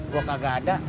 gua kagak ada